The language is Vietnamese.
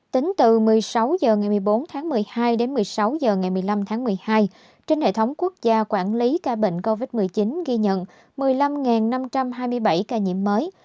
tính từ một mươi sáu h ngày một mươi bốn tháng một mươi hai đến một mươi sáu h ngày một mươi năm tháng một mươi hai trên hệ thống quốc gia quản lý ca bệnh covid một mươi chín ghi nhận một mươi năm năm trăm hai mươi bảy ca nhiễm mới